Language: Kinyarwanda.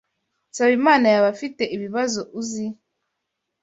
Nsabimana yaba afite ibibazo uzi?